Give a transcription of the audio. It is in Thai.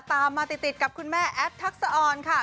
ตามมาติดกับคุณแม่แอฟทักษะออนค่ะ